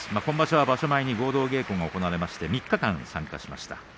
場所前に合同稽古が行われまして３日間参加しました。